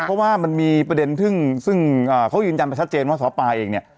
เพราะว่ามันมีประเด็นซึ่งเขายืนยันไปชัดเจนว่าซ้อปลาเองเนี่ย